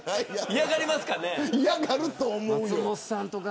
嫌がると思うよ。